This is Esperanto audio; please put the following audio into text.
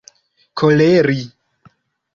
koleri